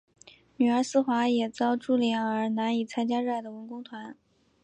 女儿思华也遭株连而难以参加热爱的文工团。